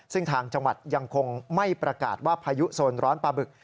ซึ่งทางจังหวัดยังคงไม่ประกาศว่าพายุโซนร้อนปลาบึก